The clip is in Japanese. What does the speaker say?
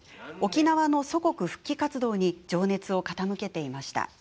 沖縄の祖国復帰活動に情熱を傾けていました。